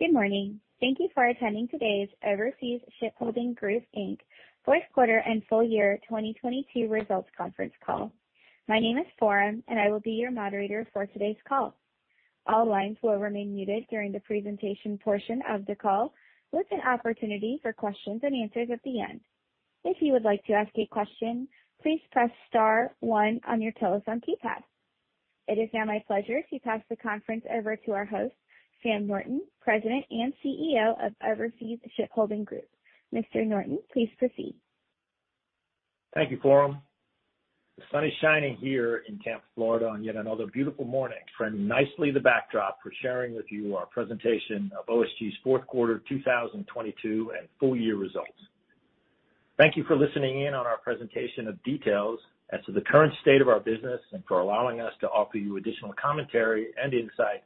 Good morning. Thank you for attending today's Overseas Shipholding Group Inc. Q4 and full year 2022 results conference call. My name is Forum, and I will be your moderator for today's call. All lines will remain muted during the presentation portion of the call, with an opportunity for questions and answers at the end. If you would like to ask a question, please press star one on your telephone keypad. It is now my pleasure to pass the conference over to our host, Sam Norton, President and CEO of Overseas Shipholding Group. Mr. Norton, please proceed. Thank you, Forum. The sun is shining here in Tampa, Florida, on yet another beautiful morning, framing nicely the backdrop for sharing with you our presentation of OSG's Q4 2022 and full year results. Thank you for listening in on our presentation of details as to the current state of our business and for allowing us to offer you additional commentary and insight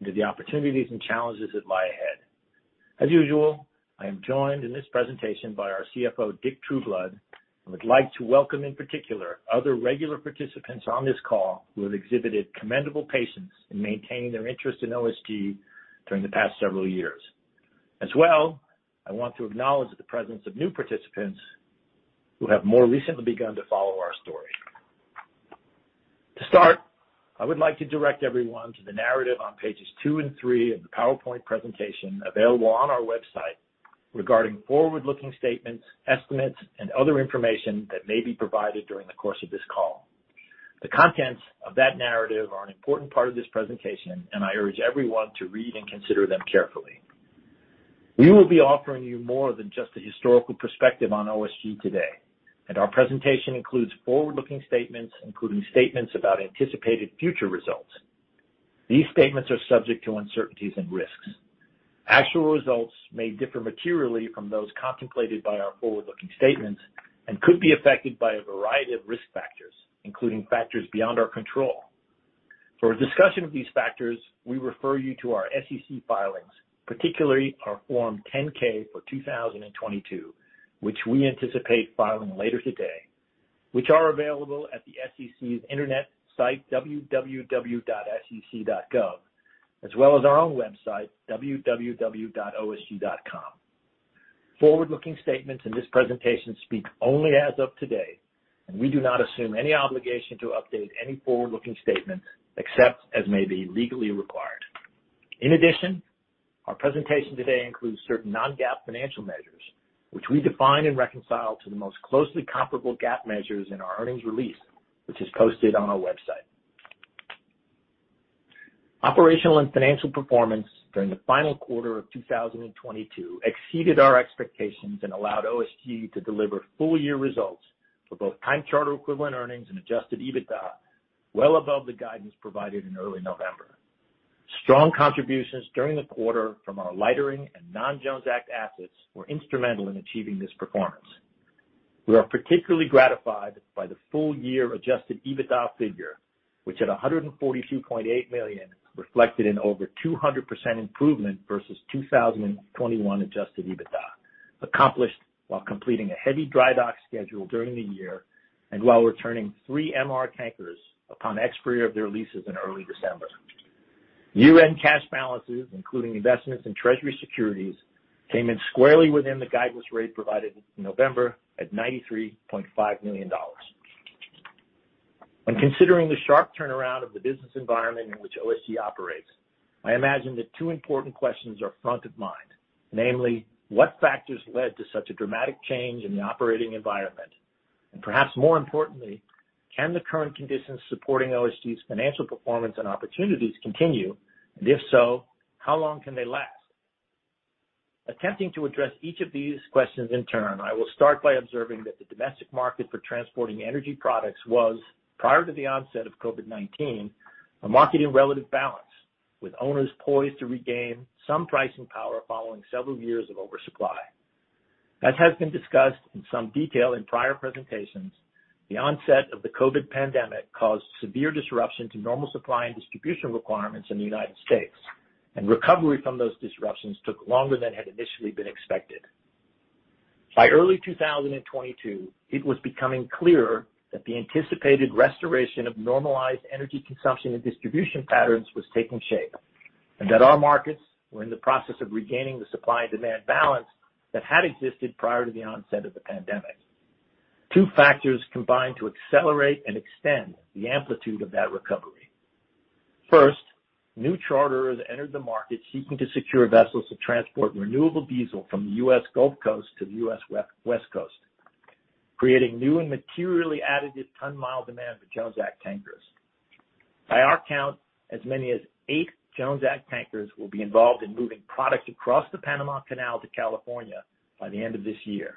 into the opportunities and challenges that lie ahead. As usual, I am joined in this presentation by our CFO, Dick Trueblood, would like to welcome, in particular, other regular participants on this call who have exhibited commendable patience in maintaining their interest in OSG during the past several years. As well, I want to acknowledge the presence of new participants who have more recently begun to follow our story. To start, I would like to direct everyone to the narrative on pages two and three of the PowerPoint presentation available on our website regarding forward-looking statements, estimates, and other information that may be provided during the course of this call. The contents of that narrative are an important part of this presentation, and I urge everyone to read and consider them carefully. We will be offering you more than just a historical perspective on OSG today, and our presentation includes forward-looking statements, including statements about anticipated future results. These statements are subject to uncertainties and risks. Actual results may differ materially from those contemplated by our forward-looking statements and could be affected by a variety of risk factors, including factors beyond our control. For a discussion of these factors, we refer you to our SEC filings, particularly our Form 10-K for 2022, which we anticipate filing later today, which are available at the SEC's internet site, www.sec.gov, as well as our own website, www.osg.com. Forward-looking statements in this presentation speak only as of today. We do not assume any obligation to update any forward-looking statements, except as may be legally required. In addition, our presentation today includes certain non-GAAP financial measures, which we define and reconcile to the most closely comparable GAAP measures in our earnings release, which is posted on our website. Operational and financial performance during the final quarter of 2022 exceeded our expectations and allowed OSG to deliver full-year results for both time charter equivalent earnings and adjusted EBITDA well above the guidance provided in early November. Strong contributions during the quarter from our lightering and non-Jones Act assets were instrumental in achieving this performance. We are particularly gratified by the full-year adjusted EBITDA figure, which at $142.8 million, reflected an over 200% improvement versus 2021 adjusted EBITDA, accomplished while completing a heavy dry dock schedule during the year and while returning three MR tankers upon expiry of their leases in early December. Year-end cash balances, including investments in Treasury securities, came in squarely within the guidance rate provided in November at $93.5 million. When considering the sharp turnaround of the business environment in which OSG operates, I imagine that two important questions are front of mind. Namely, what factors led to such a dramatic change in the operating environment? Perhaps more importantly, can the current conditions supporting OSG's financial performance and opportunities continue? If so, how long can they last? Attempting to address each of these questions in turn, I will start by observing that the domestic market for transporting energy products was, prior to the onset of COVID-19, a market in relative balance, with owners poised to regain some pricing power following several years of oversupply. As has been discussed in some detail in prior presentations, the onset of the COVID pandemic caused severe disruption to normal supply and distribution requirements in the United States, and recovery from those disruptions took longer than had initially been expected. By early 2022, it was becoming clearer that the anticipated restoration of normalized energy consumption and distribution patterns was taking shape, that our markets were in the process of regaining the supply and demand balance that had existed prior to the onset of the pandemic. Two factors combined to accelerate and extend the amplitude of that recovery. First, new charterers entered the market seeking to secure vessels to transport renewable diesel from the U.S. Gulf Coast to the U.S. West Coast, creating new and materially additive ton-mile demand for Jones Act tankers. By our count, as many as eight Jones Act tankers will be involved in moving product across the Panama Canal to California by the end of this year,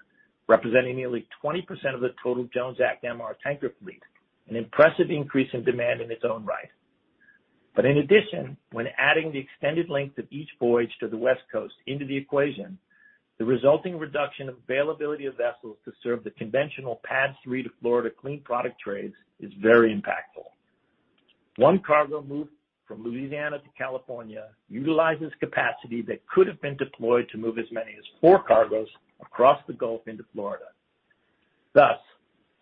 representing nearly 20% of the total Jones Act MR tanker fleet, an impressive increase in demand in its own right. In addition, when adding the extended length of each voyage to the West Coast into the equation, the resulting reduction of availability of vessels to serve the conventional paths through to Florida clean product trades is very impactful. One cargo move from Louisiana to California utilizes capacity that could have been deployed to move as many as four cargoes across the Gulf into Florida. Thus,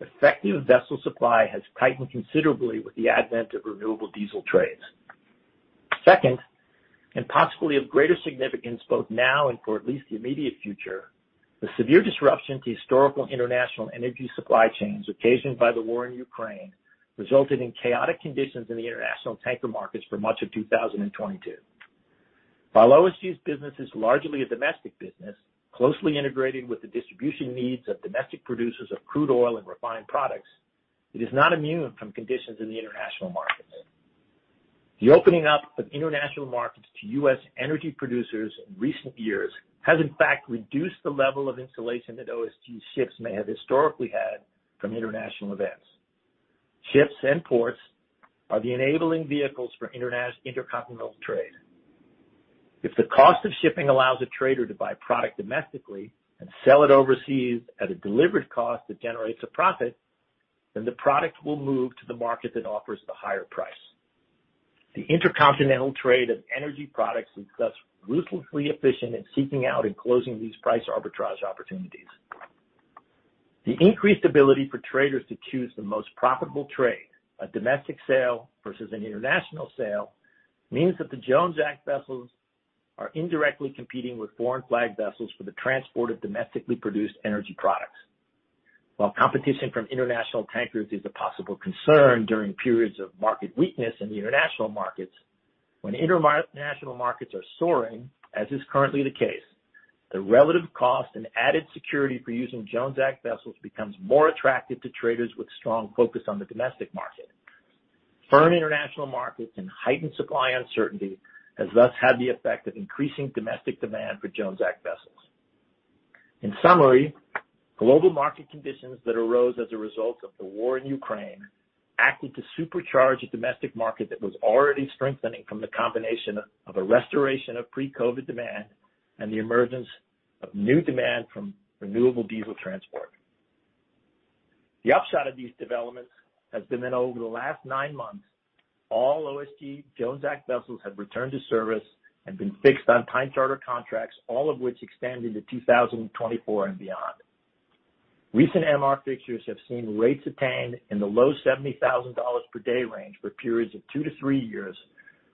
effective vessel supply has tightened considerably with the advent of renewable diesel trades. Second, and possibly of greater significance both now and for at least the immediate future, the severe disruption to historical international energy supply chains occasioned by the war in Ukraine resulted in chaotic conditions in the international tanker markets for much of 2022. While OSG's business is largely a domestic business, closely integrated with the distribution needs of domestic producers of crude oil and refined products, it is not immune from conditions in the international markets. The opening up of international markets to U.S. energy producers in recent years has in fact reduced the level of insulation that OSG ships may have historically had from international events. Ships and ports are the enabling vehicles for intercontinental trade. If the cost of shipping allows a trader to buy product domestically and sell it overseas at a delivered cost that generates a profit, then the product will move to the market that offers the higher price. The intercontinental trade of energy products is thus ruthlessly efficient in seeking out and closing these price arbitrage opportunities. The increased ability for traders to choose the most profitable trade, a domestic sale versus an international sale, means that the Jones Act vessels are indirectly competing with foreign flag vessels for the transport of domestically produced energy products. While competition from international tankers is a possible concern during periods of market weakness in the international markets, when international markets are soaring, as is currently the case, the relative cost and added security for using Jones Act vessels becomes more attractive to traders with strong focus on the domestic market. Firm international markets and heightened supply uncertainty has thus had the effect of increasing domestic demand for Jones Act vessels. In summary, global market conditions that arose as a result of the war in Ukraine acted to supercharge a domestic market that was already strengthening from the combination of a restoration of pre-COVID demand and the emergence of new demand from renewable diesel transport. The upshot of these developments has been that over the last nine months, all OSG Jones Act vessels have returned to service and been fixed on time charter contracts, all of which extend into 2024 and beyond. Recent MR fixtures have seen rates attained in the low $70,000 per day range for periods of two to three years,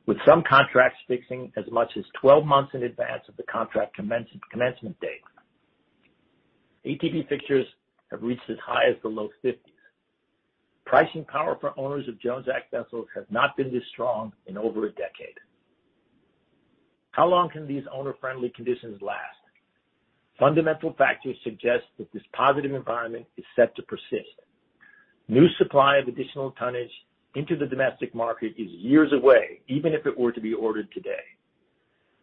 with some contracts fixing as much as 12 months in advance of the contract commencement date. ATB fixtures have reached as high as the low 50s. Pricing power for owners of Jones Act vessels has not been this strong in over a decade. How long can these owner-friendly conditions last? Fundamental factors suggest that this positive environment is set to persist. New supply of additional tonnage into the domestic market is years away, even if it were to be ordered today.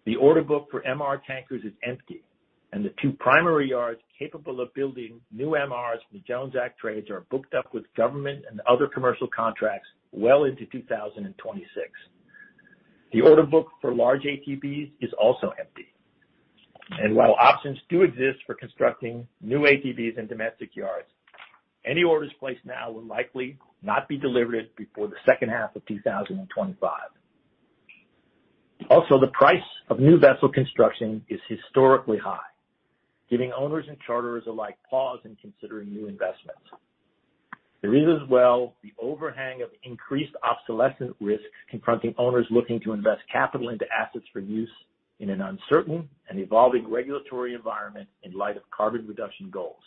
The order book for MR tankers is empty, and the two primary yards capable of building new MRs for the Jones Act trades are booked up with government and other commercial contracts well into 2026. The order book for large ATBs is also empty. While options do exist for constructing new ATBs in domestic yards, any orders placed now will likely not be delivered before the second half of 2025. Also, the price of new vessel construction is historically high, giving owners and charterers alike pause in considering new investments. There is as well the overhang of increased obsolescence risk confronting owners looking to invest capital into assets for use in an uncertain and evolving regulatory environment in light of carbon reduction goals.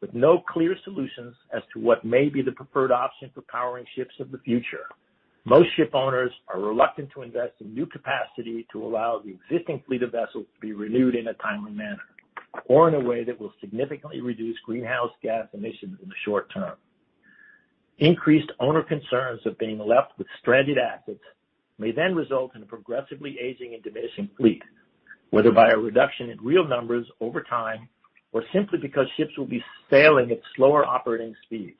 With no clear solutions as to what may be the preferred option for powering ships of the future, most ship owners are reluctant to invest in new capacity to allow the existing fleet of vessels to be renewed in a timely manner or in a way that will significantly reduce greenhouse gas emissions in the short term. Increased owner concerns of being left with stranded assets may then result in a progressively aging and diminishing fleet, whether by a reduction in real numbers over time or simply because ships will be sailing at slower operating speeds,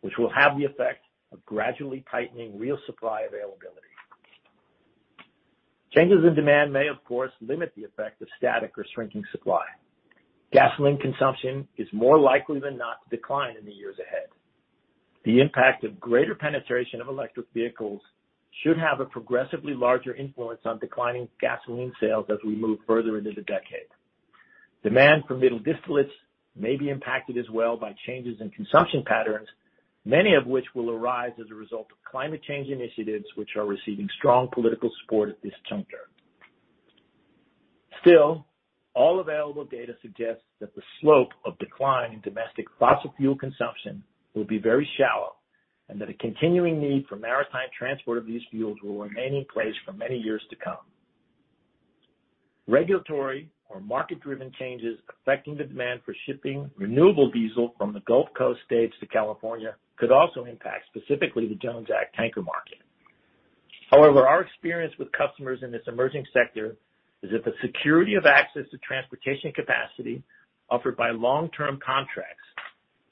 which will have the effect of gradually tightening real supply availability. Changes in demand may, of course, limit the effect of static or shrinking supply. Gasoline consumption is more likely than not to decline in the years ahead. The impact of greater penetration of electric vehicles should have a progressively larger influence on declining gasoline sales as we move further into the decade. Demand for middle distillates may be impacted as well by changes in consumption patterns, many of which will arise as a result of climate change initiatives which are receiving strong political support at this juncture. Still, all available data suggests that the slope of decline in domestic fossil fuel consumption will be very shallow and that a continuing need for maritime transport of these fuels will remain in place for many years to come. Regulatory or market-driven changes affecting the demand for shipping renewable diesel from the Gulf Coast states to California could also impact specifically the Jones Act tanker market. However, our experience with customers in this emerging sector is that the security of access to transportation capacity offered by long-term contracts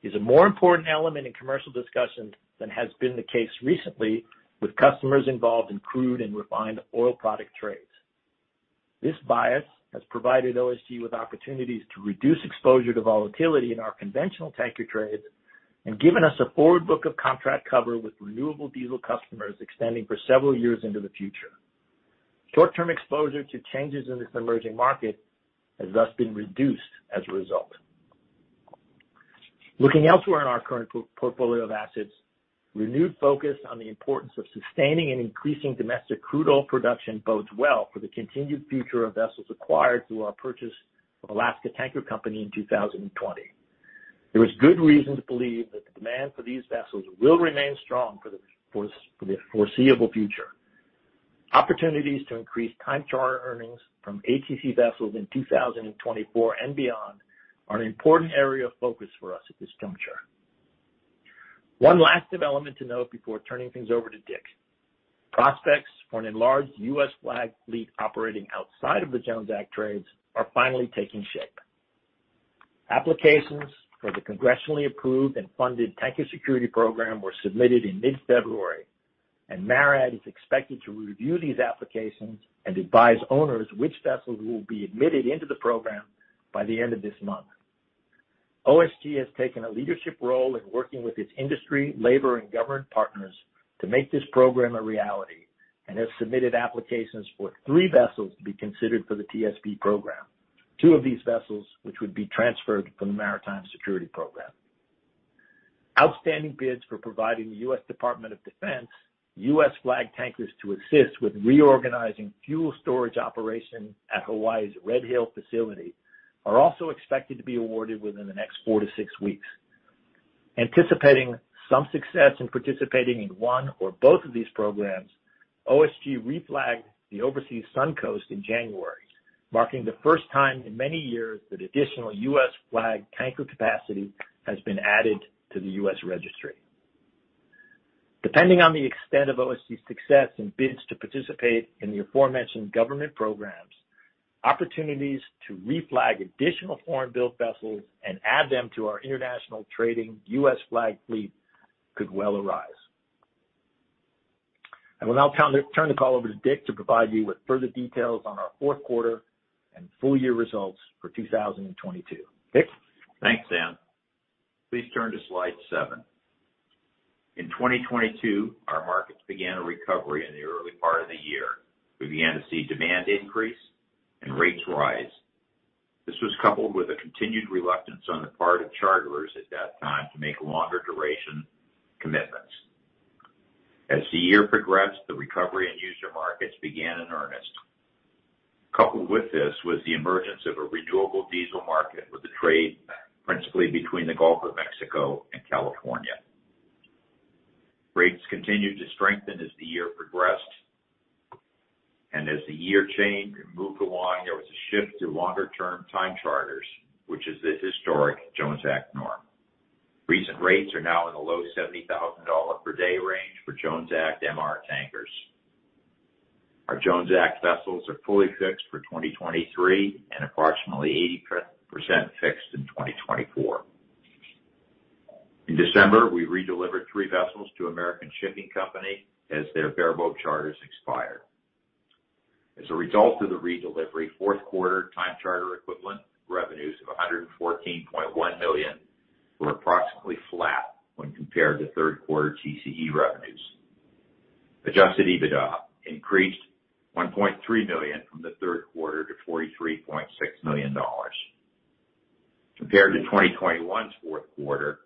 is a more important element in commercial discussions than has been the case recently with customers involved in crude and refined oil product trades. This bias has provided OSG with opportunities to reduce exposure to volatility in our conventional tanker trades and given us a forward book of contract cover with renewable diesel customers extending for several years into the future. Short-term exposure to changes in this emerging market has thus been reduced as a result. Looking elsewhere in our current portfolio of assets, renewed focus on the importance of sustaining and increasing domestic crude oil production bodes well for the continued future of vessels acquired through our purchase of Alaska Tanker Company in 2020. There is good reason to believe that the demand for these vessels will remain strong for the foreseeable future. Opportunities to increase time charter earnings from ATC vessels in 2024 and beyond are an important area of focus for us at this juncture. One last development to note before turning things over to Dick. Prospects for an enlarged U.S. flag fleet operating outside of the Jones Act trades are finally taking shape. Applications for the congressionally approved and funded Tanker Security Program were submitted in mid-February, and MARAD is expected to review these applications and advise owners which vessels will be admitted into the program by the end of this month. OSG has taken a leadership role in working with its industry, labor, and government partners to make this program a reality and has submitted applications for three vessels to be considered for the TSP program, two of these vessels which would be transferred from the Maritime Security Program. Outstanding bids for providing the US Department of Defense U.S.-flag tankers to assist with reorganizing fuel storage operation at Hawaii's Red Hill facility are also expected to be awarded within the next four to six weeks. Anticipating some success in participating in one or both of these programs, OSG reflagged the Overseas Sun Coast in January, marking the first time in many years that additional U.S. flag tanker capacity has been added to the U.S. registry. Depending on the extent of OSG's success in bids to participate in the aforementioned government programs, opportunities to reflag additional foreign-built vessels and add them to our international trading U.S. flag fleet could well arise. I will now turn the call over to Dick to provide you with further details on our Q4 and full year results for 2022. Dick? Thanks, Sam. Please turn to slide seven. In 2022, our markets began a recovery in the early part of the year. We began to see demand increase and rates rise. This was coupled with a continued reluctance on the part of charterers at that time to make longer duration commitments. As the year progressed, the recovery in user markets began in earnest. Coupled with this was the emergence of a renewable diesel market with the trade principally between the Gulf of Mexico and California. Rates continued to strengthen as the year progressed, and as the year changed and moved along, there was a shift to longer-term time charters, which is the historic Jones Act norm. Recent rates are now in the low $70,000 per day range for Jones Act MR tankers. Our Jones Act vessels are fully fixed for 2023 and approximately 80% fixed in 2024. In December, we redelivered three vessels to American Shipping Company as their bareboat charters expired. As a result of the redelivery, Q4 time charter equivalent revenues of $114.1 million were approximately flat when compared to Q3 time charter equivalent (TCE) revenues. Adjusted EBITDA increased $1.3 million from the Q3 to $43.6 million. Compared to 2021's Q4,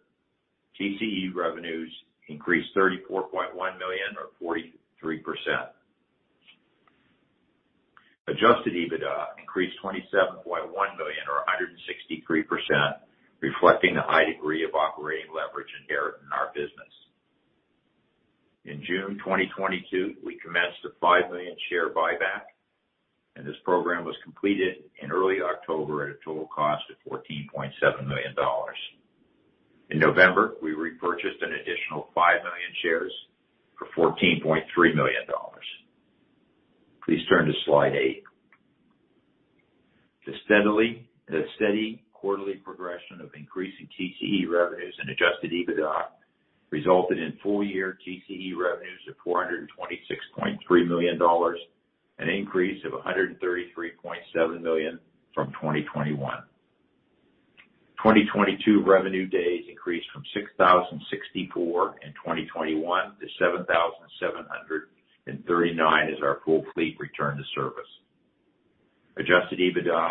TCE revenues increased $34.1 million or 43%. Adjusted EBITDA increased $27.1 million or 163%, reflecting the high degree of operating leverage inherent in our business. In June 2022, we commenced a 5 million share buyback. This program was completed in early October at a total cost of $14.7 million. In November, we repurchased an additional 5 million shares for $14.3 million. Please turn to slide eight. The steady quarterly progression of increasing TCE revenues and adjusted EBITDA resulted in full-year TCE revenues of $426.3 million, an increase of $133.7 million from 2021. 2022 revenue days increased from 6,064 in 2021 to 7,739 as our full fleet returned to service. Adjusted EBITDA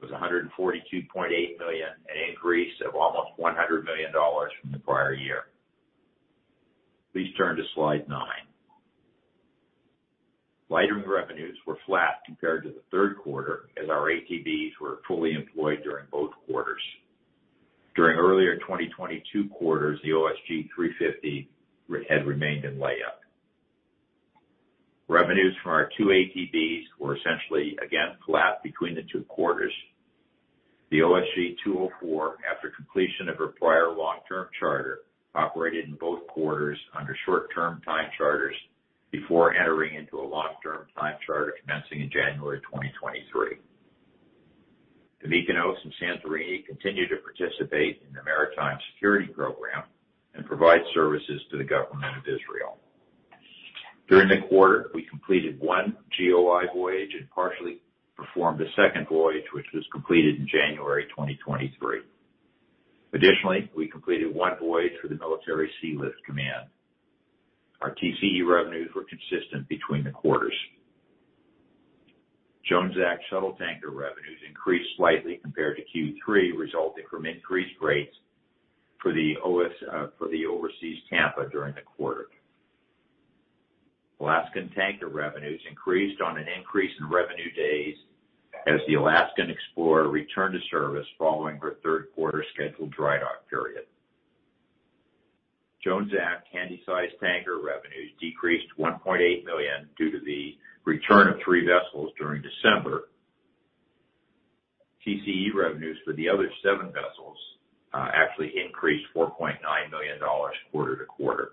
was $142.8 million, an increase of almost $100 million from the prior year. Please turn to slide nine. Lightering revenues were flat compared to the Q3 as our ATBs were fully employed during both quarters. During earlier 2022 quarters, the OSG 350 had remained in layup. Revenues from our two ATBs were essentially again flat between the two quarters. The OSG 204, after completion of her prior long-term charter, operated in both quarters under short-term time charters before entering into a long-term time charter commencing in January 2023. The Overseas Mykonos and Overseas Santorini continue to participate in the Maritime Security Program and provide services to the government of Israel. During the quarter, we completed one GOI voyage and partially performed a second voyage, which was completed in January 2023. Additionally, we completed one voyage for the Military Sealift Command. Our TCE revenues were consistent between the quarters. Jones Act shuttle tanker revenues increased slightly compared to Q3, resulting from increased rates for the Overseas Tampa during the quarter. Alaskan tanker revenues increased on an increase in revenue days as the Alaskan Explorer returned to service following her Q3 scheduled dry dock period. Jones Act Handysize tanker revenues decreased $1.8 million due to the return of three vessels during December. TCE revenues for the other 7 vessels, actually increased $4.9 million quarter-to-quarter.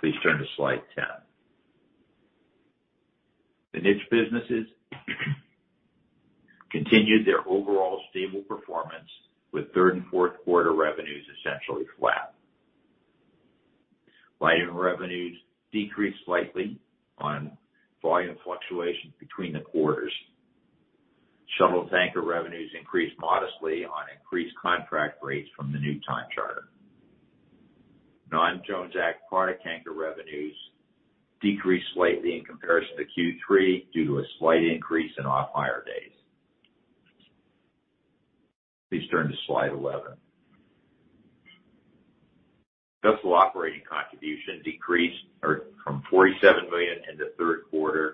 Please turn to slide 10. The niche businesses continued their overall stable performance with third and Q4 revenues essentially flat. Lighting revenues decreased slightly on volume fluctuations between the quarters. Shuttle tanker revenues increased modestly on increased contract rates from the new time charter. Non-Jones Act product tanker revenues decreased slightly in comparison to Q3 due to a slight increase in off-hire days. Please turn to slide 11. Vessel operating contribution decreased from $47 million in the Q3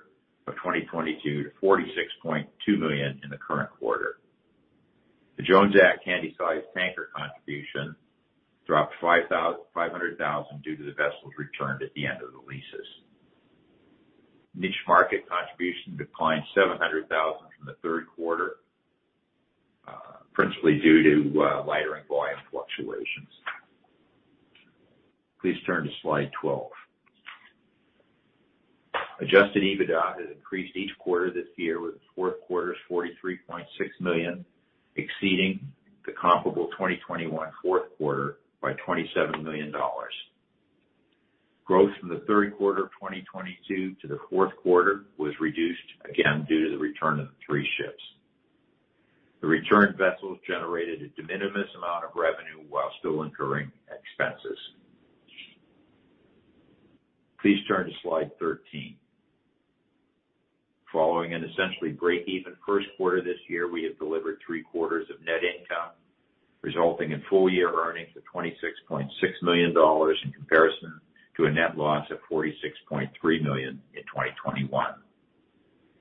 of 2022 to $46.2 million in the current quarter. The Jones Act handysize tanker contribution dropped $500,000 due to the vessels returned at the end of the leases. Niche market contribution declined $700,000 from the Q3, principally due to lightering volume fluctuations. Please turn to slide 12. Adjusted EBITDA has increased each quarter this year, with the Q4's $43.6 million exceeding the comparable 2021 Q4 by $27 million. Growth from the Q3 of 2022 to the Q4 was reduced again due to the return of the three ships. The returned vessels generated a de minimis amount of revenue while still incurring expenses. Please turn to slide 13. Following an essentially break-even Q1 this year, we have delivered three quarters of net income, resulting in full-year earnings of $26.6 million in comparison to a net loss of $46.3 million in 2021.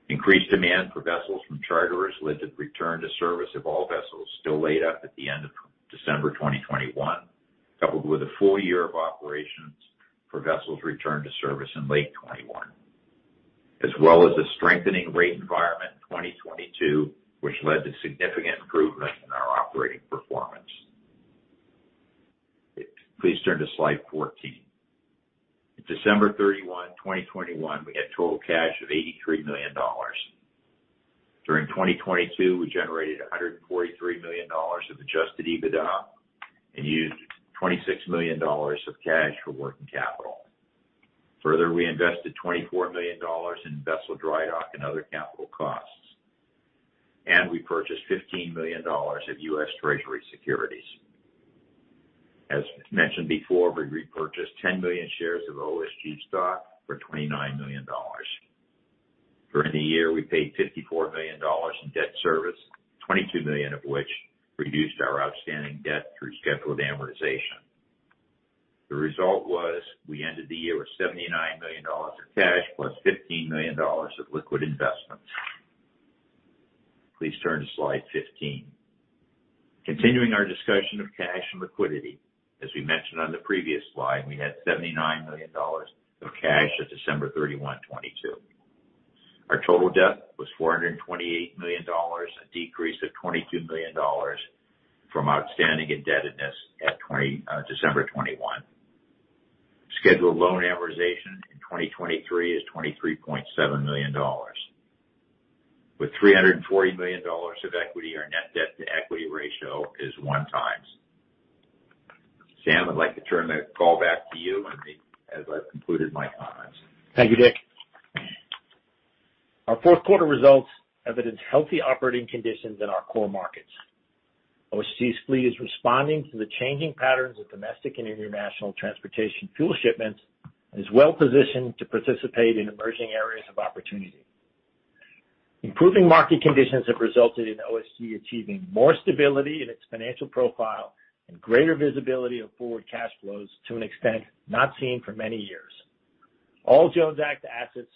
Increased demand for vessels from charterers led to return to service of all vessels still laid up at the end of December 2021, coupled with a full year of operations for vessels returned to service in late 2021, as well as the strengthening rate environment in 2022, which led to significant improvement in our operating performance. Please turn to slide 14. In December 31, 2021, we had total cash of $83 million. During 2022, we generated $143 million of adjusted EBITDA and used $26 million of cash for working capital. Further, we invested $24 million in vessel dry dock and other capital costs, and we purchased $15 million of US Treasury securities. As mentioned before, we repurchased 10 million shares of OSG stock for $29 million. During the year, we paid $54 million in debt service, $22 million of which reduced our outstanding debt through scheduled amortization. The result was we ended the year with $79 million in cash, plus $15 million of liquid investments. Please turn to slide 15. Continuing our discussion of cash and liquidity, as we mentioned on the previous slide, we had $79 million of cash at December 31, 2022. Our total debt was $428 million, a decrease of $22 million from outstanding indebtedness at December 2021. Scheduled loan amortization in 2023 is $23.7 million. With $340 million of equity, our net debt to equity ratio is 1 times. Sam, I'd like to turn the call back to you as I've concluded my comments. Thank you, Dick. Our Q4 results evidenced healthy operating conditions in our core markets. OSG's fleet is responding to the changing patterns of domestic and international transportation fuel shipments and is well-positioned to participate in emerging areas of opportunity. Improving market conditions have resulted in OSG achieving more stability in its financial profile and greater visibility of forward cash flows to an extent not seen for many years. All Jones Act assets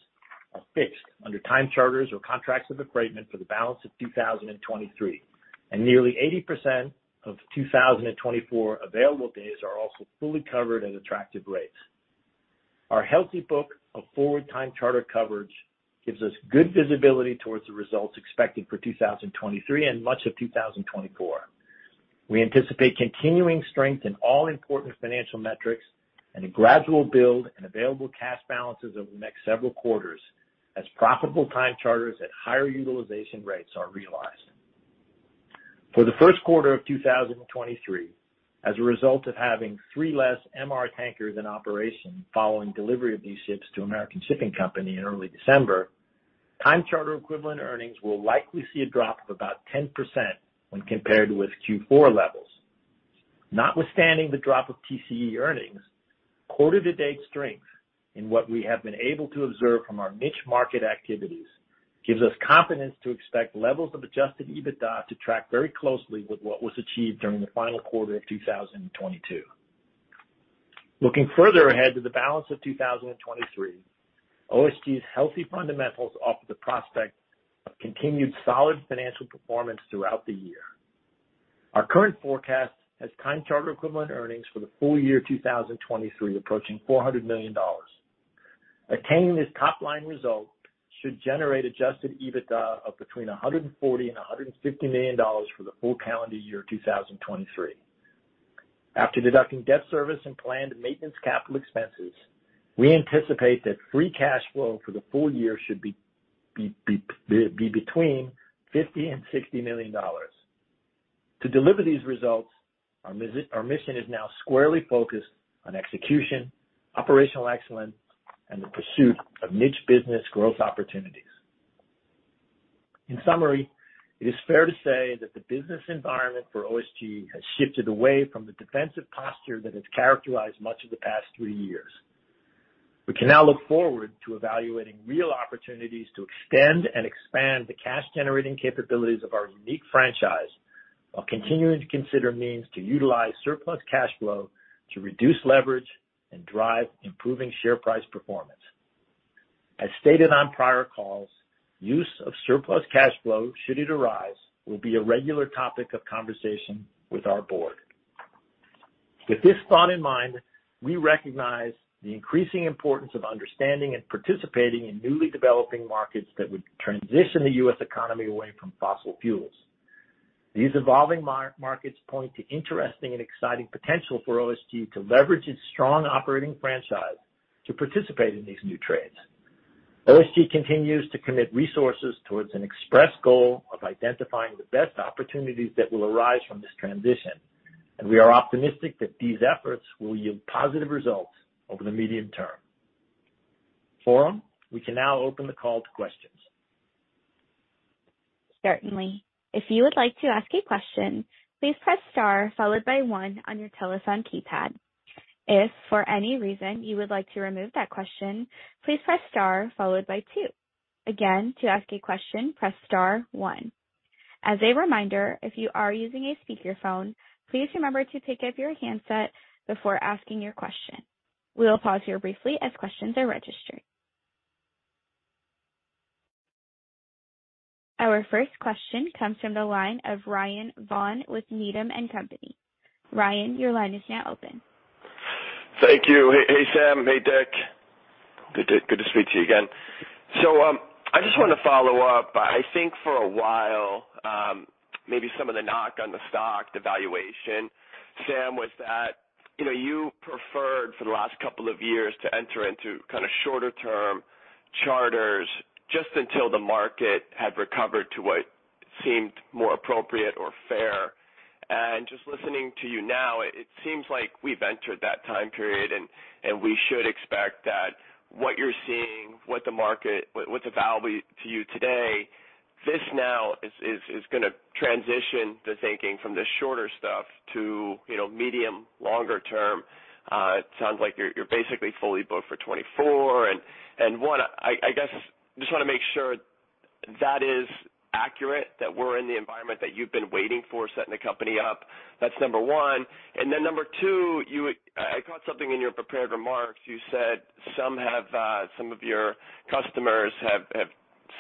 are fixed under time charters or contracts of affreightment for the balance of 2023, and nearly 80% of 2024 available days are also fully covered at attractive rates. Our healthy book of forward time charter coverage gives us good visibility towards the results expected for 2023 and much of 2024. We anticipate continuing strength in all important financial metrics and a gradual build in available cash balances over the next several quarters as profitable time charters at higher utilization rates are realized. For the Q1 of 2023, as a result of having three less MR tankers in operation following delivery of these ships to American Shipping Company in early December. Time charter equivalent earnings will likely see a drop of about 10% when compared with Q4 levels. Notwithstanding the drop of TCE earnings, quarter-to-date strength in what we have been able to observe from our niche market activities gives us confidence to expect levels of adjusted EBITDA to track very closely with what was achieved during the final quarter of 2022. Looking further ahead to the balance of 2023, OSG's healthy fundamentals offer the prospect of continued solid financial performance throughout the year. Our current forecast has time charter equivalent earnings for the full year 2023 approaching $400 million. Attaining this top-line result should generate adjusted EBITDA of between $140 million and $150 million for the full calendar year 2023. After deducting debt service and planned maintenance capital expenses, we anticipate that free cash flow for the full year should be between $50 million and $60 million. To deliver these results, our mission is now squarely focused on execution, operational excellence, and the pursuit of niche business growth opportunities. In summary, it is fair to say that the business environment for OSG has shifted away from the defensive posture that has characterized much of the past three years. We can now look forward to evaluating real opportunities to extend and expand the cash-generating capabilities of our unique franchise while continuing to consider means to utilize surplus cash flow to reduce leverage and drive improving share price performance. As stated on prior calls, use of surplus cash flow, should it arise, will be a regular topic of conversation with our board. With this thought in mind, we recognize the increasing importance of understanding and participating in newly developing markets that would transition the U.S. economy away from fossil fuels. These evolving markets point to interesting and exciting potential for OSG to leverage its strong operating franchise to participate in these new trades. OSG continues to commit resources towards an express goal of identifying the best opportunities that will arise from this transition, and we are optimistic that these efforts will yield positive results over the medium term. Forum, we can now open the call to questions. Certainly. If you would like to ask a question, please press star followed by 1 on your telephone keypad. If for any reason you would like to remove that question, please press star followed by 2. Again, to ask a question, press star 1. As a reminder, if you are using a speakerphone, please remember to pick up your handset before asking your question. We will pause here briefly as questions are registered. Our first question comes from the line of Ryan Vaughan with Needham & Company. Ryan, your line is now open. Thank you. Hey, Sam. Hey, Dick. Good to speak to you again. I just want to follow up. I think for a while, maybe some of the knock on the stock, the valuation, Sam, was that, you know, you preferred for the last couple of years to enter into kind of shorter term charters just until the market had recovered to what seemed more appropriate or fair. And just listening to you now, it seems like we've entered that time period and we should expect that what you're seeing, what the market, what the value to you today, this now is gonna transition the thinking from the shorter stuff to, you know, medium, longer term. It sounds like you're basically fully booked for 2024. One, I guess, just wanna make sure that is accurate, that we're in the environment that you've been waiting for setting the company up. That's number 1. Then number 2, I caught something in your prepared remarks. You said some have, some of your customers have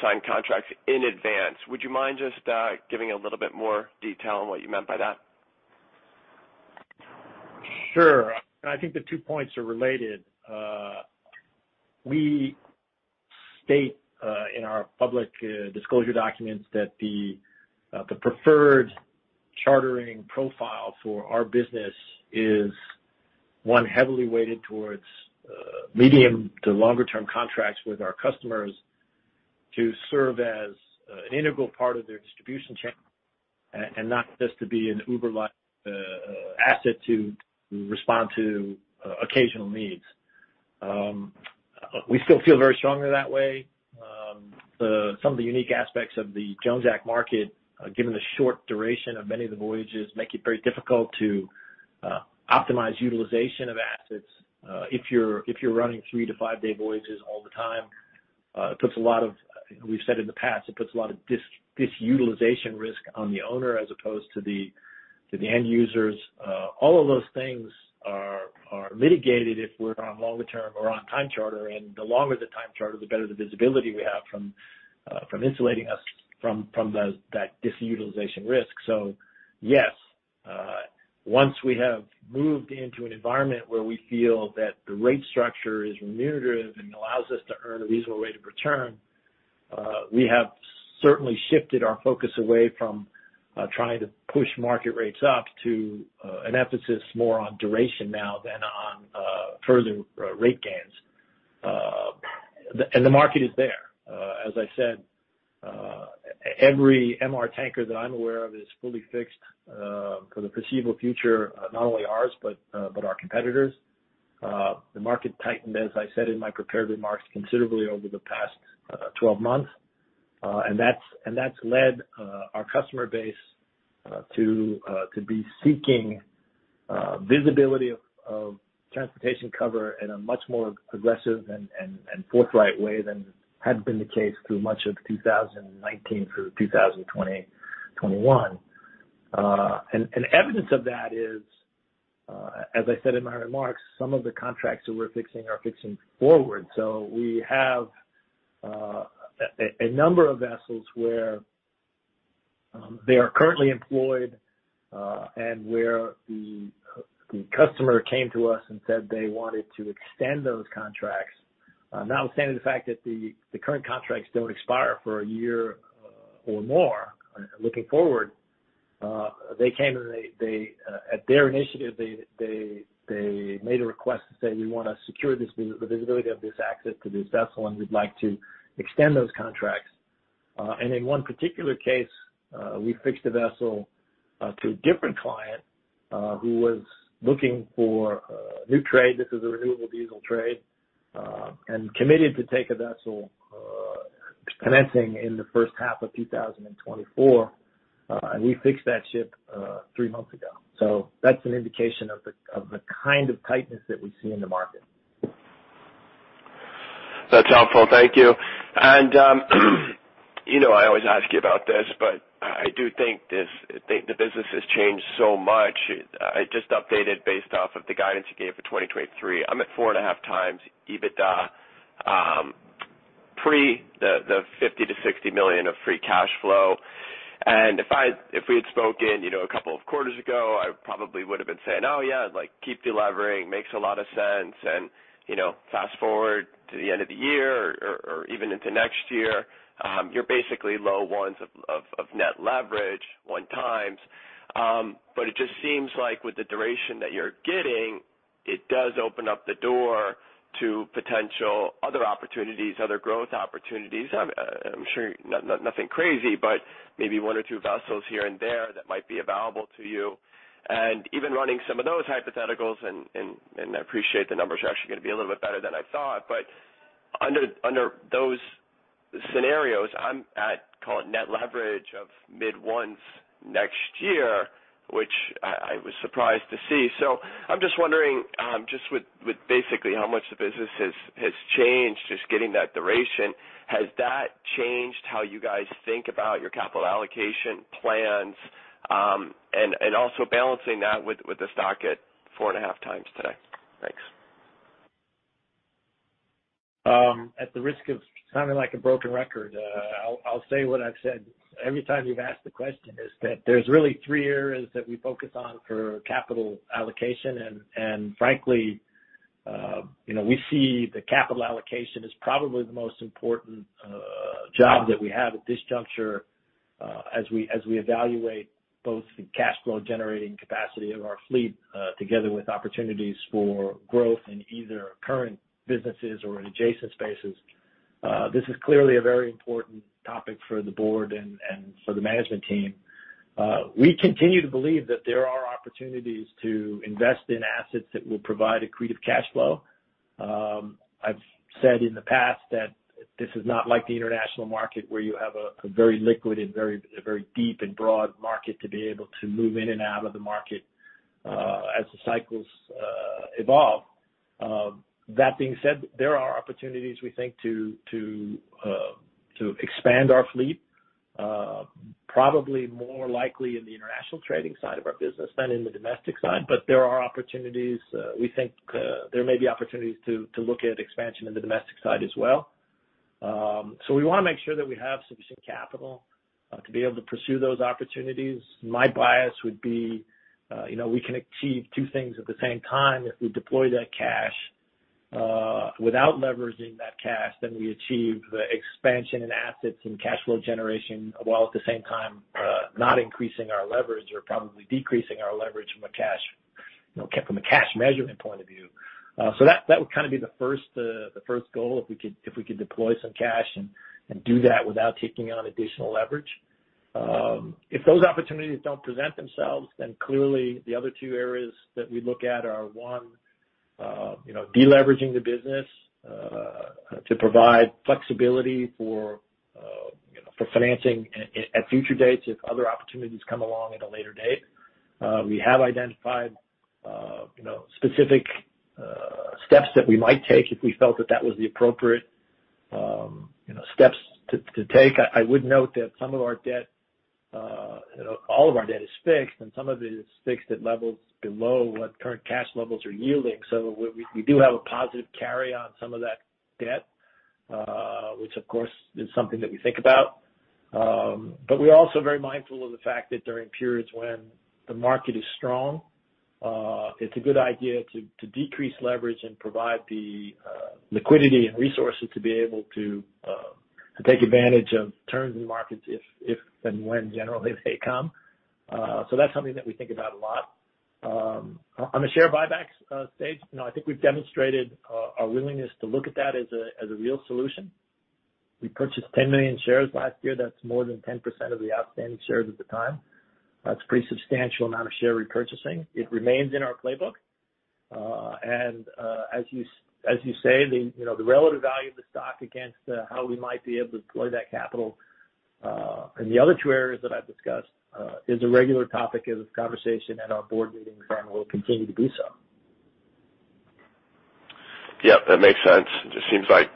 signed contracts in advance. Would you mind just giving a little bit more detail on what you meant by that? Sure. I think the 2 points are related. We state in our public disclosure documents that the preferred chartering profile for our business is one heavily weighted towards medium to longer term contracts with our customers to serve as an integral part of their distribution chain and not just to be an Uber-like asset to respond to occasional needs. We still feel very strongly that way. Some of the unique aspects of the Jones Act market, given the short duration of many of the voyages, make it very difficult to optimize utilization of assets. If you're running three to five day voyages all the time. We've said in the past, it puts a lot of disutilization risk on the owner as opposed to the, to the end users. All of those things are mitigated if we're on longer term or on time charter. The longer the time charter, the better the visibility we have from insulating us from those, that disutilization risk. Yes, once we have moved into an environment where we feel that the rate structure is remunerative and allows us to earn a reasonable rate of return, we have certainly shifted our focus away from trying to push market rates up to an emphasis more on duration now than on further rate gains. The market is there, as I said, every MR tanker that I'm aware of is fully fixed for the foreseeable future, not only ours but our competitors. The market tightened, as I said in my prepared remarks, considerably over the past 12 months. That's led our customer base to be seeking visibility of transportation cover in a much more aggressive and forthright way than had been the case through much of 2019 through 2020, 2021. Evidence of that is, as I said in my remarks, some of the contracts that we're fixing are fixing forward. We have a number of vessels where they are currently employed, and where the customer came to us and said they wanted to extend those contracts. Notwithstanding the fact that the current contracts don't expire for a year or more looking forward, they came and at their initiative, they made a request to say, "We wanna secure this the visibility of this access to this vessel, and we'd like to extend those contracts." And in one particular case, we fixed a vessel to a different client who was looking for new trade. This is a renewable diesel trade, and committed to take a vessel commencing in the first half of 2024, and we fixed that ship three months ago. That's an indication of the kind of tightness that we see in the market. That's helpful. Thank you. you know I always ask you about this, but I do think the business has changed so much. I just updated based off of the guidance you gave for 2023. I'm at 4.5x EBITDA pre $50 million-$60 million of free cash flow. If we had spoken, you know, a couple of quarters ago, I probably would've been saying, "Oh, yeah, like, keep delevering, makes a lot of sense." you know, fast-forward to the end of the year or even into next year, you're basically low ones of net leverage 1x. It just seems like with the duration that you're getting, it does open up the door to potential other opportunities, other growth opportunities. I'm sure nothing crazy, but maybe one or two vessels here and there that might be available to you. Even running some of those hypotheticals, and I appreciate the numbers are actually gonna be a little bit better than I thought. Under those scenarios, I'm at, call it, net leverage of mid-1s next year, which I was surprised to see. I'm just wondering, just with basically how much the business has changed, just getting that duration, has that changed how you guys think about your capital allocation plans? Also balancing that with the stock at 4.5x today. Thanks. At the risk of sounding like a broken record, I'll say what I've said every time you've asked the question, is that there's really three areas that we focus on for capital allocation. Frankly, you know, we see the capital allocation as probably the most important job that we have at this juncture, as we evaluate both the cash flow generating capacity of our fleet, together with opportunities for growth in either current businesses or in adjacent spaces. This is clearly a very important topic for the board and for the management team. We continue to believe that there are opportunities to invest in assets that will provide accretive cash flow. I've said in the past that this is not like the international market where you have a very liquid and very deep and broad market to be able to move in and out of the market as the cycles evolve. That being said, there are opportunities, we think, to expand our fleet, probably more likely in the international trading side of our business than in the domestic side. There are opportunities, we think, there may be opportunities to look at expansion in the domestic side as well. We wanna make sure that we have sufficient capital to be able to pursue those opportunities. My bias would be, you know, we can achieve 2 things at the same time if we deploy that cash, without leveraging that cash, we achieve the expansion in assets and cash flow generation, while at the same time, not increasing our leverage or probably decreasing our leverage, you know, from a cash measurement point of view. That would kind of be the first goal if we could deploy some cash and do that without taking on additional leverage. If those opportunities don't present themselves, clearly the other 2 areas that we look at are, 1, you know, deleveraging the business, to provide flexibility for, you know, for financing at future dates if other opportunities come along at a later date. We have identified, you know, specific steps that we might take if we felt that that was the appropriate, you know, steps to take. I would note that some of our debt, you know, all of our debt is fixed and some of it is fixed at levels below what current cash levels are yielding. We do have a positive carry on some of that debt, which of course is something that we think about. We're also very mindful of the fact that during periods when the market is strong, it's a good idea to decrease leverage and provide the liquidity and resources to be able to take advantage of turns in markets if and when generally they come. That's something that we think about a lot. On the share buybacks stage, you know, I think we've demonstrated our willingness to look at that as a real solution. We purchased 10 million shares last year. That's more than 10% of the outstanding shares at the time. That's a pretty substantial amount of share repurchasing. It remains in our playbook. As you say, you know, the relative value of the stock against how we might be able to deploy that capital in the other two areas that I've discussed is a regular topic of conversation at our board meetings and will continue to do so. Yeah, that makes sense. It just seems like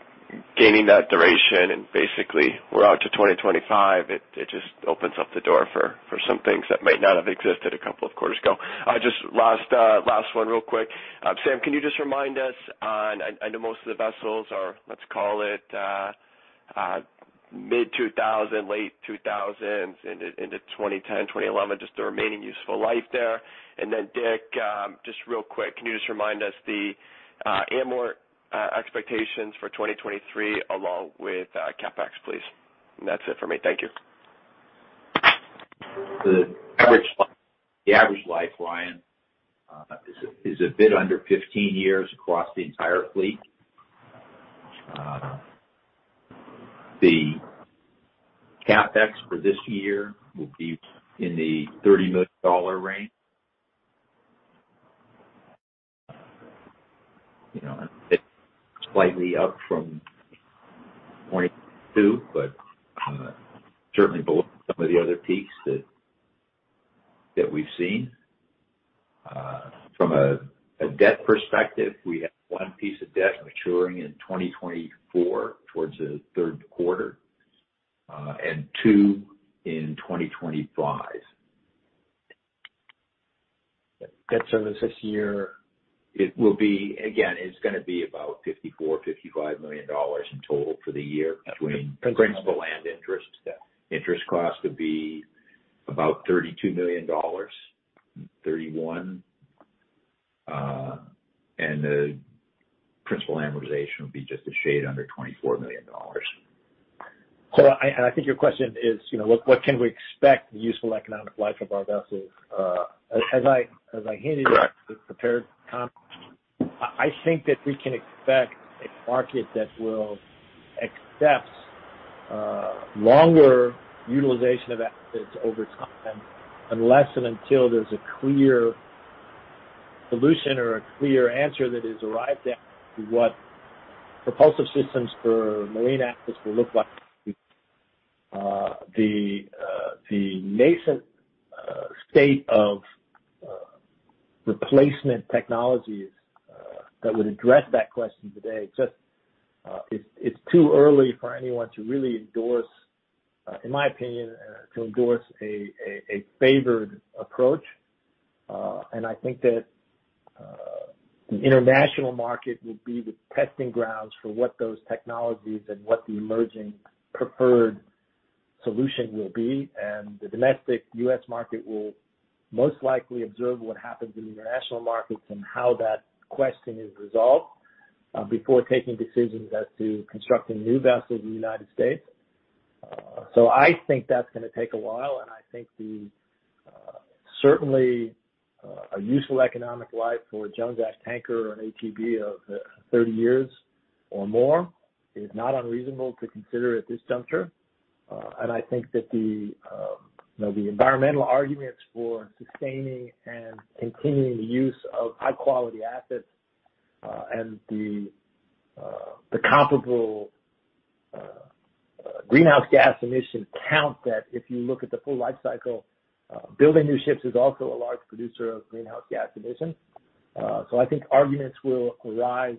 gaining that duration and basically we're out to 2025, it just opens up the door for some things that might not have existed a couple of quarters ago. Just last one real quick. Sam, can you just remind us on... I know most of the vessels are, let's call it, mid-2000s, late 2000s into 2010, 2011, just the remaining useful life there. Then Dick, just real quick, can you just remind us the amort expectations for 2023 along with CapEx, please? That's it for me. Thank you. The average life, Ryan, is a bit under 15 years across the entire fleet. The CapEx for this year will be in the $30 million range. You know, a bit slightly up from 2022, but certainly below some of the other peaks that we've seen. From a debt perspective, we have 1 piece of debt maturing in 2024, towards the Q3, and two in 2025. Debt service this year. It will be, again, it's gonna be about $54 million, $55 million in total for the year between... Principal. principal and interest. Yeah. Interest cost would be about $32 million, 31. The principal amortization would be just a shade under $24 million. I think your question is, you know, what can we expect the useful economic life of our vessels, as I hinted. Correct. In the prepared comments, I think that we can expect a market that will accept longer utilization of assets over time, unless and until there's a clear solution or a clear answer that is arrived at to what propulsive systems for marine assets will look like. The nascent state of replacement technologies that would address that question today just, it's too early for anyone to really endorse, in my opinion, to endorse a favored approach. I think that the international market will be the testing grounds for what those technologies and what the emerging preferred solution will be. The domestic U.S. market will most likely observe what happens in the international markets and how that question is resolved before taking decisions as to constructing new vessels in the United States. I think that's gonna take a while, and I think the, certainly, a useful economic life for a Jones Act tanker or an ATB of 30 years or more is not unreasonable to consider at this juncture. I think that the, you know, the environmental arguments for sustaining and continuing the use of high-quality assets, and the comparable, greenhouse gas emission count that if you look at the full life cycle, building new ships is also a large producer of greenhouse gas emissions. I think arguments will arise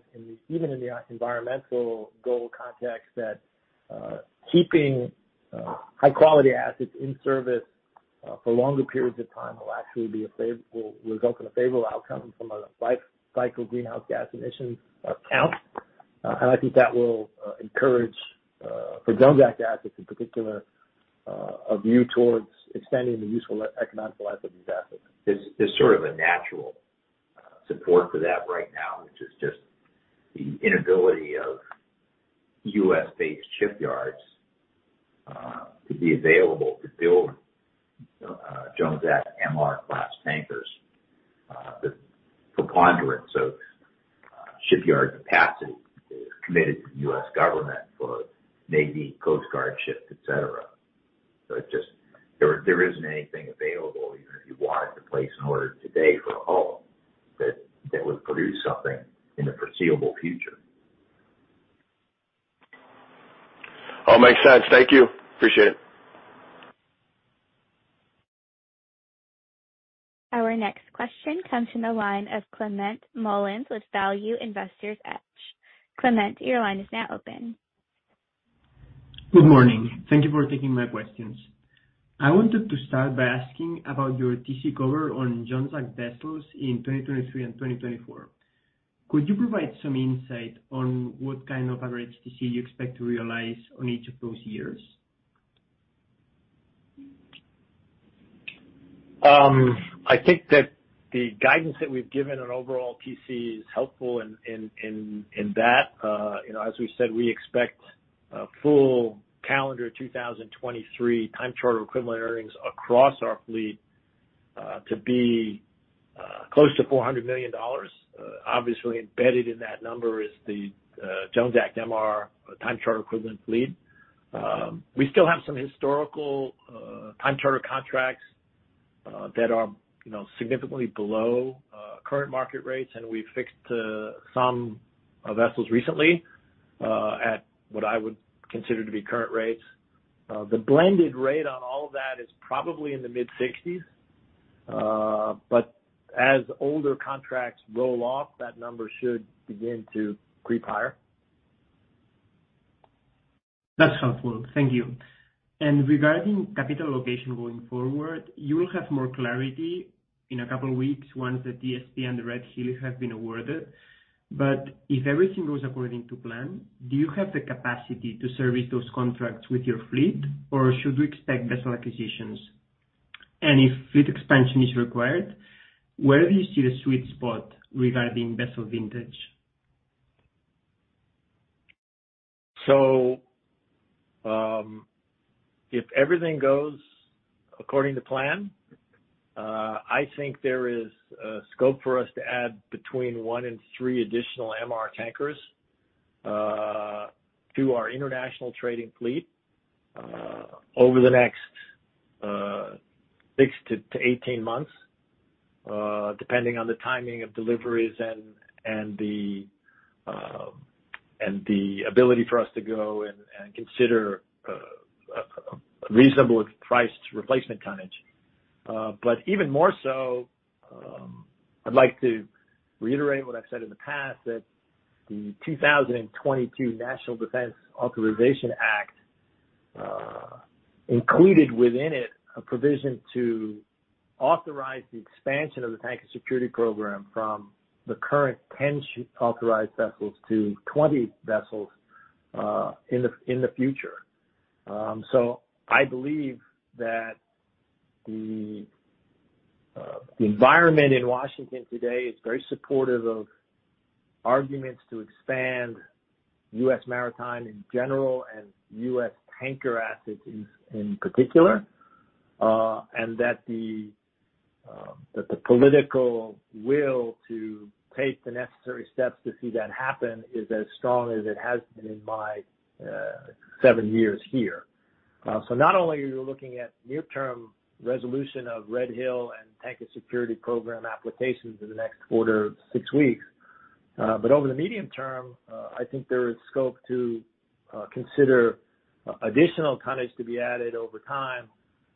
even in the environmental goal context that, keeping high-quality assets in service, for longer periods of time will result in a favorable outcome from a life cycle greenhouse gas emissions, count. I think that will encourage for Jones Act assets in particular, a view towards extending the useful economic life of these assets. There's sort of a natural support for that right now, which is just the inability of U.S.-based shipyards to be available to build Jones Act, MR-class tankers. The preponderance of shipyard capacity is committed to the U.S. government for Navy, Coast Guard ships, et cetera. There isn't anything available, even if you wanted to place an order today for a hull that would produce something in the foreseeable future. All makes sense. Thank you. Appreciate it. Our next question comes from the line of Climent Molins with Value Investors Edge. Clement, your line is now open. Good morning. Thank you for taking my questions. I wanted to start by asking about your TC cover on Jones Act vessels in 2023 and 2024. Could you provide some insight on what kind of average TC you expect to realize on each of those years? I think that the guidance that we've given on overall TC is helpful in that. you know, as we said, we expect a full calendar 2023 time charter equivalent earnings across our fleet to be close to $400 million. Obviously, embedded in that number is the Jones Act MR time charter equivalent fleet. We still have some historical time charter contracts that are, you know, significantly below current market rates. We fixed some vessels recently at what I would consider to be current rates. The blended rate on all of that is probably in the mid-sixties. As older contracts roll off, that number should begin to creep higher. That's helpful. Thank you. Regarding capital allocation going forward, you will have more clarity in a couple of weeks once the TSP and the Red Hill have been awarded. If everything goes according to plan, do you have the capacity to service those contracts with your fleet, or should we expect vessel acquisitions? If fleet expansion is required, where do you see the sweet spot regarding vessel vintage? If everything goes according to plan, I think there is scope for us to add between one and three additional MR tankers to our international trading fleet over the next six to 18 months, depending on the timing of deliveries and the ability for us to go and consider a reasonable priced replacement tonnage. Even more so, I'd like to reiterate what I've said in the past, that the 2022 National Defense Authorization Act included within it a provision to authorize the expansion of the Tanker Security Program from the current 10 authorized vessels to 20 vessels in the future. I believe that the environment in Washington today is very supportive of arguments to expand U.S. maritime in general and U.S. tanker assets in particular, and that the political will to take the necessary steps to see that happen is as strong as it has been in my seven years here. Not only are you looking at near-term resolution of Red Hill and Tanker Security Program applications in the next quarter of six weeks, but over the medium term, I think there is scope to consider additional tonnage to be added over time,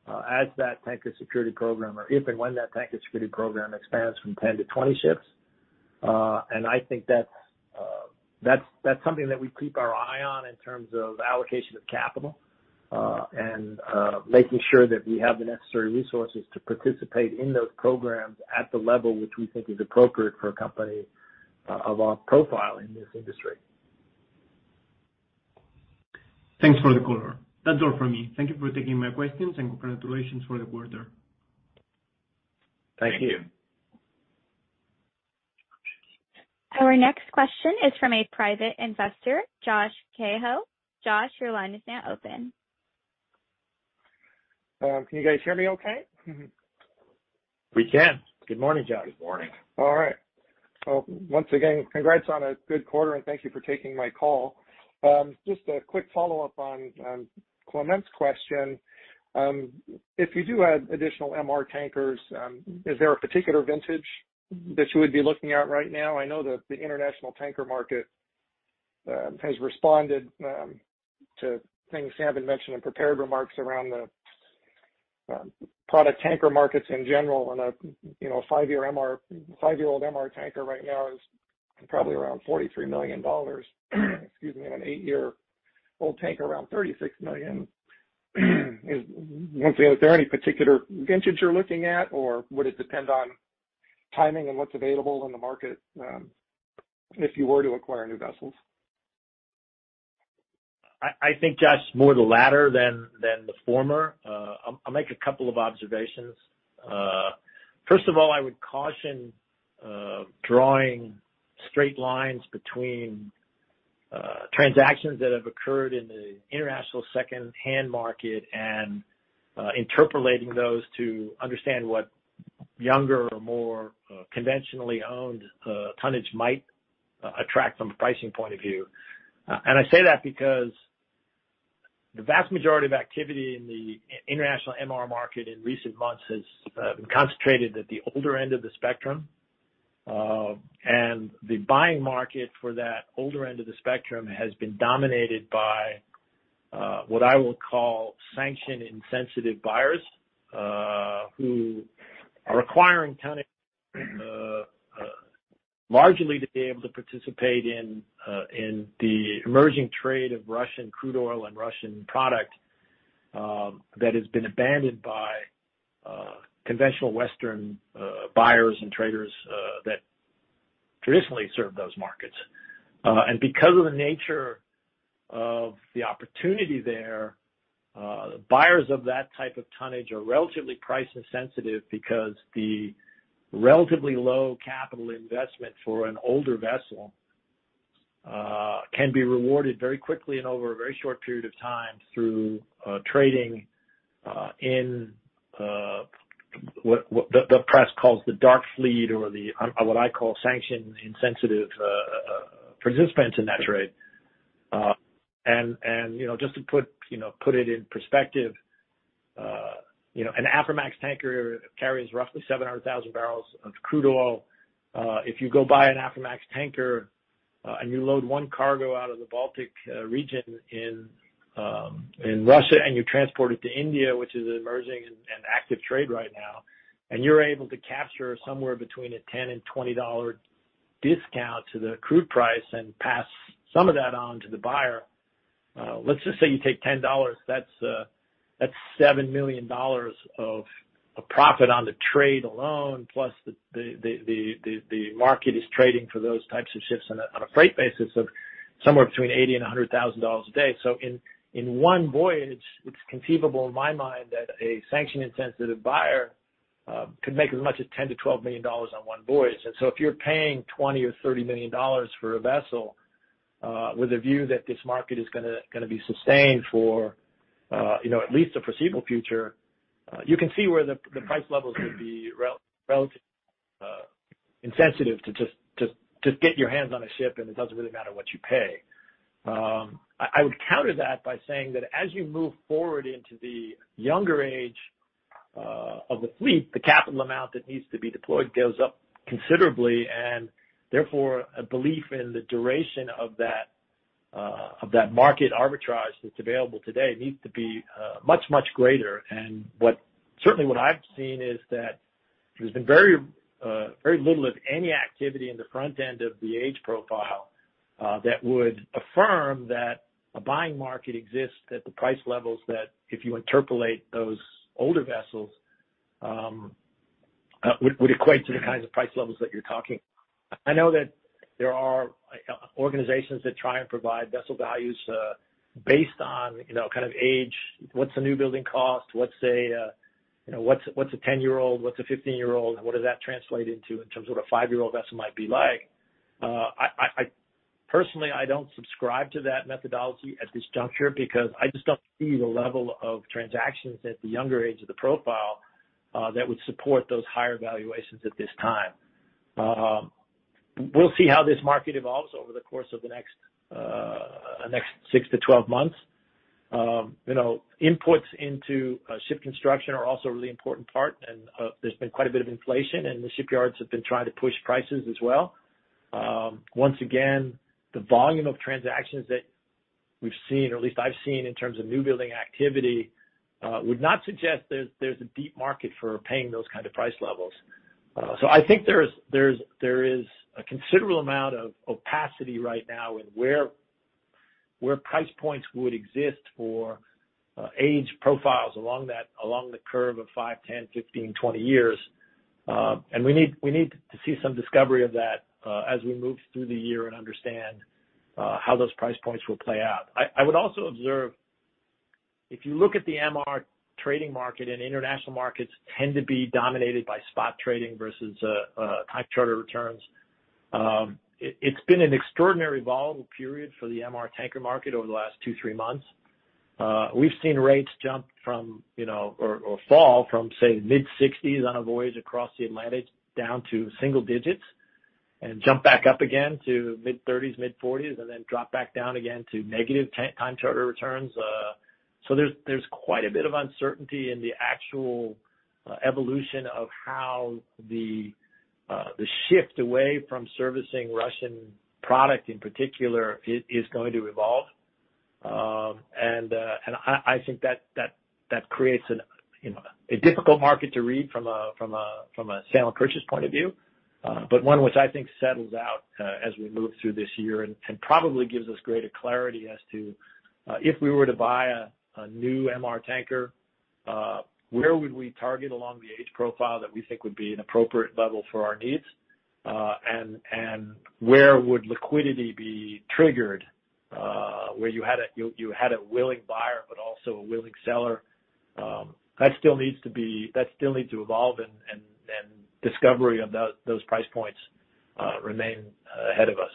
as that Tanker Security Program or if and when that Tanker Security Program expands from 10 to 20 ships. I think that's something that we keep our eye on in terms of allocation of capital, and making sure that we have the necessary resources to participate in those programs at the level which we think is appropriate for a company of our profile in this industry. Thanks for the color. That's all for me. Thank you for taking my questions, and congratulations for the quarter. Thank you. Our next question is from a private investor, Josh Kehoe. Josh, your line is now open. Can you guys hear me okay? We can. Good morning, Josh. Good morning. All right. Well, once again, congrats on a good quarter, and thank you for taking my call. Just a quick follow-up on Clement's question. If you do add additional MR tankers, is there a particular vintage that you would be looking at right now? I know that the international tanker market has responded to things haven't mentioned in prepared remarks around the product tanker markets in general on a five-year-old MR tanker right now is probably around $43 million. Excuse me. An eight-year-old tanker around $36 million. Once again, is there any particular vintage you're looking at, or would it depend on timing and what's available in the market if you were to acquire new vessels? I think, Josh, more the latter than the former. I'll make a couple of observations. First of all, I would caution drawing straight lines between transactions that have occurred in the international secondhand market and interpolating those to understand what younger or more conventionally owned tonnage might attract from a pricing point of view. I say that because the vast majority of activity in the international MR market in recent months has been concentrated at the older end of the spectrum. for that older end of the spectrum has been dominated by what I will call sanction-insensitive buyers, who are acquiring tonnage largely to be able to participate in the emerging trade of Russian crude oil and Russian product that has been abandoned by conventional Western buyers and traders that traditionally serve those markets. Because of the nature of the opportunity there, buyers of that type of tonnage are relatively price insensitive because the relatively low capital investment for an older vessel can be rewarded very quickly and over a very short period of time through trading in what the press calls the dark fleet or what I call sanction-insensitive participants in that trade You know, just to put, you know, put it in perspective, you know, an Aframax tanker carries roughly 700,000 barrels of crude oil. If you go buy an Aframax tanker, and you load one cargo out of the Baltic region in Russia, and you transport it to India, which is an emerging and active trade right now, and you're able to capture somewhere between a $10-$20 discount to the crude price and pass some of that on to the buyer. Let's just say you take $10. That's $7 million of profit on the trade alone, plus the market is trading for those types of ships on a freight basis of somewhere between $80,000-$100,000 a day. In one voyage, it's conceivable in my mind that a sanction-insensitive buyer could make as much as $10 million-$12 million on one voyage. If you're paying $20 million or $30 million for a vessel, with a view that this market is gonna be sustained for, you know, at least the foreseeable future, you can see where the price levels could be relative, insensitive to just get your hands on a ship, and it doesn't really matter what you pay. I would counter that by saying that as you move forward into the younger age of the fleet, the capital amount that needs to be deployed goes up considerably. Therefore, a belief in the duration of that market arbitrage that's available today needs to be much greater. What certainly what I've seen is that there's been very, very little of any activity in the front end of the age profile that would affirm that a buying market exists at the price levels that if you interpolate those older vessels would equate to the kinds of price levels that you're talking. I know that there are organizations that try and provide vessel values based on, you know, kind of age, what's the new building cost? What's a, you know, what's a 10-year-old, what's a 15-year-old, and what does that translate into in terms of what a five-year-old vessel might be like? I personally, I don't subscribe to that methodology at this juncture because I just don't see the level of transactions at the younger age of the profile that would support those higher valuations at this time. We'll see how this market evolves over the course of the next six to 12 months. You know, inputs into ship construction are also a really important part, and there's been quite a bit of inflation, and the shipyards have been trying to push prices as well. Once again, the volume of transactions that we've seen or at least I've seen in terms of new building activity would not suggest there's a deep market for paying those kind of price levels. I think there is a considerable amount of opacity right now in where price points would exist for age profiles along the curve of five, 10, 15, 20 years. We need to see some discovery of that as we move through the year and understand how those price points will play out. I would also observe, if you look at the MR trading market, international markets tend to be dominated by spot trading versus time charter returns. It's been an extraordinarily volatile period for the MR tanker market over the last two, three months. We've seen rates jump from, you know, or fall from, say, mid-60s on a voyage across the Atlantic down to single digits and jump back up again to mid-30s, mid-40s, and then drop back down again to -10, time charter returns. There's quite a bit of uncertainty in the actual evolution of how the shift away from servicing Russian product in particular is going to evolve. And I think that creates an, you know, a difficult market to read from a sale and purchase point of view. One which I think settles out as we move through this year and probably gives us greater clarity as to if we were to buy a new MR tanker, where would we target along the age profile that we think would be an appropriate level for our needs? Where would liquidity be triggered where you had a willing buyer but also a willing seller? That still needs to evolve and discovery of those price points remain ahead of us.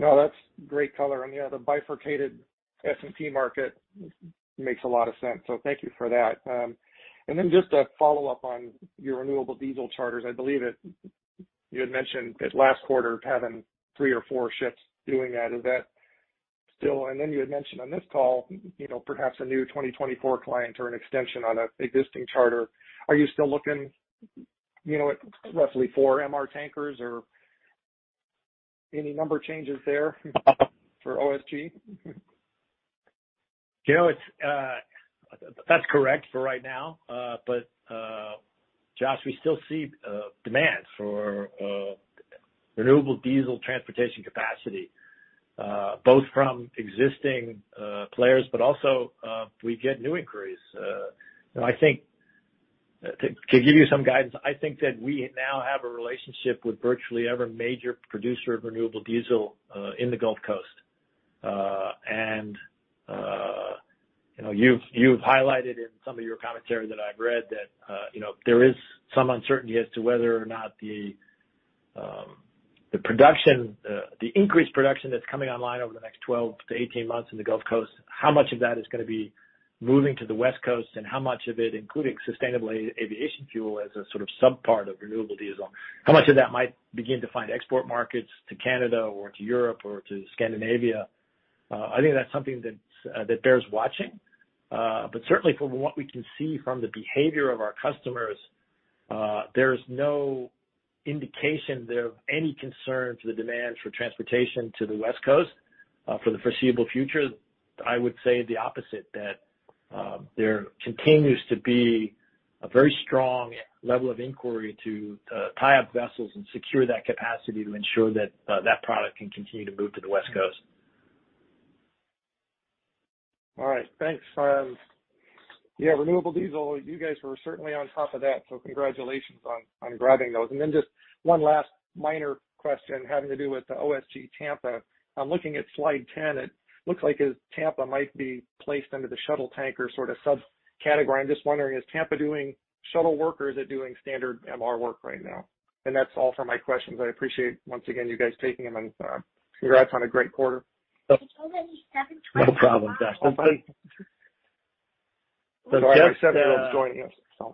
No, that's great color on the other bifurcated S&P market. Makes a lot of sense. Thank you for that. Just a follow-up on your renewable diesel charters. I believe you had mentioned at last quarter having three or four ships doing that. You had mentioned on this call, you know, perhaps a new 2024 client or an extension on an existing charter. Are you still looking, you know, at roughly four MR tankers or any number changes for OSG? You know, it's, that's correct for right now. Josh, we still see demand for renewable diesel transportation capacity, both from existing players, but also, we get new inquiries. You know, to give you some guidance, I think that we now have a relationship with virtually every major producer of renewable diesel in the Gulf Coast. you know, you've highlighted in some of your commentary that I've read that, you know, there is some uncertainty as to whether or not the increased production that's coming online over the next 12-18 months in the Gulf Coast, how much of that is gonna be moving to the West Coast and how much of it, including sustainable aviation fuel as a sort of sub-part of renewable diesel, how much of that might begin to find export markets to Canada or to Europe or to Scandinavia? I think that's something that bears watching. Certainly from what we can see from the behavior of our customers, there's no indication there of any concern to the demand for transportation to the West Coast, for the foreseeable future. I would say the opposite, that there continues to be a very strong level of inquiry to tie up vessels and secure that capacity to ensure that that product can continue to move to the West Coast. All right. Thanks. Yeah, renewable diesel, you guys were certainly on top of that, congratulations on grabbing those. Then just one last minor question having to do with the OSG Tampa. I'm looking at slide 10. It looks like Tampa might be placed under the shuttle tanker sort of subcategory. I'm just wondering, is Tampa doing shuttle work or is it doing standard MR work right now? That's all for my questions. I appreciate once again you guys taking them, congrats on a great quarter. It's already 7:20. No problem, Dustin. Oh, buddy. Sorry, my seven-year-old's joining us.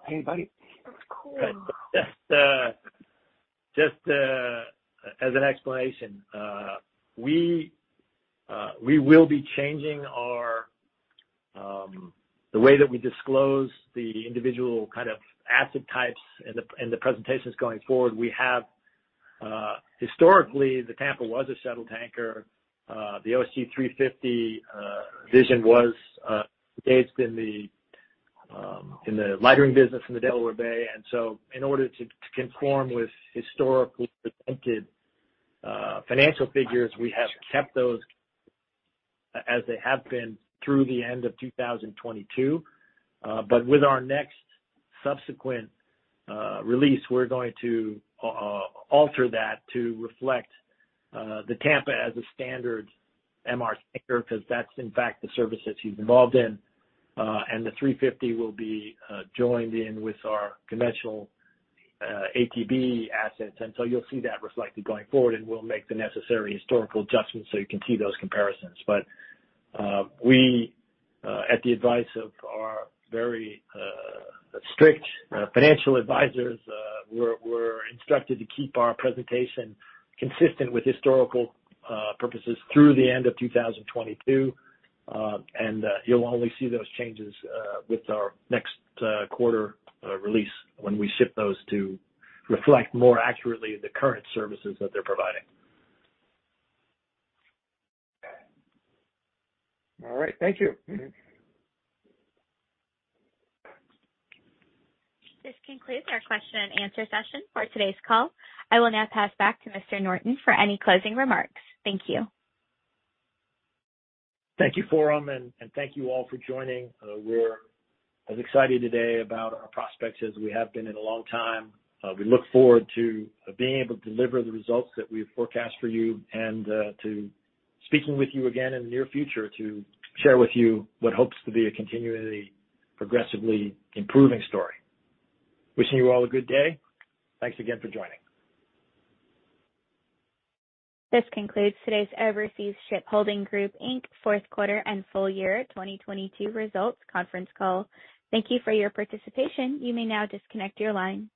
Hey, buddy. That's cool. Just as an explanation, we will be changing our the way that we disclose the individual kind of asset types in the presentations going forward. We have historically, the Tampa was a shuttle tanker. The OSG 350 Vision was engaged in the lightering business in the Delaware Bay. In order to conform with historically presented financial figures, we have kept those as they have been through the end of 2022. With our next subsequent release, we're going to alter that to reflect the Tampa as a standard MR tanker, 'cause that's in fact the service that she's involved in. The 350 will be joined in with our conventional ATB assets. You'll see that reflected going forward, and we'll make the necessary historical adjustments so you can see those comparisons. We, at the advice of our very strict financial advisors, we're instructed to keep our presentation consistent with historical purposes through the end of 2022. You'll only see those changes with our next quarter release when we ship those to reflect more accurately the current services that they're providing. All right. Thank you. This concludes our question and answer session for today's call. I will now pass back to Mr. Norton for any closing remarks. Thank you. Thank you, Forum, and thank you all for joining. We're as excited today about our prospects as we have been in a long time. We look forward to being able to deliver the results that we've forecast for you and to speaking with you again in the near future to share with you what hopes to be a continually progressively improving story. Wishing you all a good day. Thanks again for joining. This concludes today's Overseas Shipholding Group, Inc. Q4 and full year 2022 results conference call. Thank you for your participation. You may now disconnect your line.